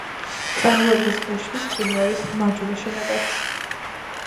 წარმოადგენს უშბის მყინვარის მარჯვენა შენაკადს.